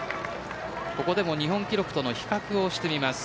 ここでも日本記録と比較してみます。